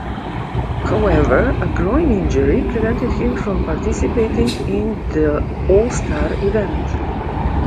However, a groin injury prevented him from participating in the all-star event.